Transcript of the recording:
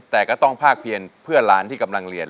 แต่ก็ต้องภาคเพียนเพื่อหลานที่กำลังเรียน